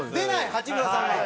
八村さんが。